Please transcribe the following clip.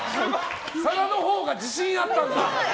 皿のほうが自信あったんだ。